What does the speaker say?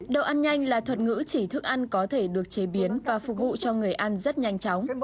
đồ ăn nhanh là thuật ngữ chỉ thức ăn có thể được chế biến và phục vụ cho người ăn rất nhanh chóng